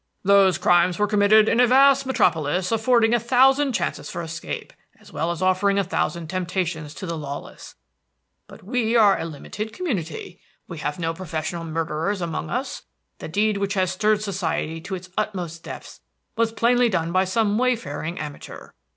"Those crimes were committed in a vast metropolis affording a thousand chances for escape, as well as offering a thousand temptations to the lawless. But we are a limited community. We have no professional murderers among us. The deed which has stirred society to its utmost depths was plainly done by some wayfaring amateur.